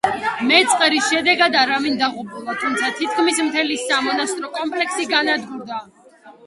მეწყერის შედეგად არავინ დაღუპულა, თუმცა თითქმის მთელი სამონასტრო კომპლექსი განადგურდა.